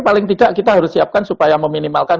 paling tidak kita harus siapkan supaya meminimalkan